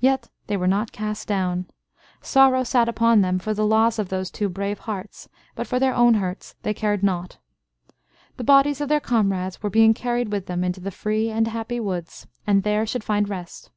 Yet they were not cast down. Sorrow sat upon them for the loss of those two brave hearts, but for their own hurts they cared naught. The bodies of their comrades were being carried with them into the free and happy woods, and there should find rest.